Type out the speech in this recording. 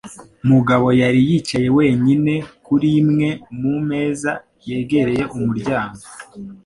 Mugabo yari yicaye wenyine kuri imwe mu meza yegereye umuryango.